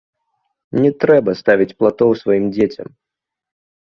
Не трэба ставіць платоў сваім дзецям.